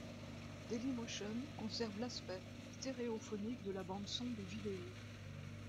Dailymotion conserve l’aspect stéréophonique de la bande-son des vidéos.